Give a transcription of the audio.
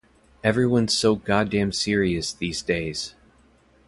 Everyone's so goddamn serious these days.